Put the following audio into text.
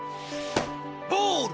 ボール！